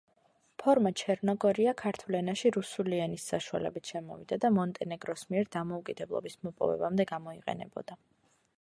ფორმა „ჩერნოგორია“ ქართულ ენაში რუსული ენის საშუალებით შემოვიდა და მონტენეგროს მიერ დამოუკიდებლობის მოპოვებამდე გამოიყენებოდა.